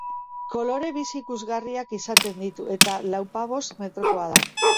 Kolore bizi ikusgarriak izaten ditu, eta lauzpabost metrokoa da.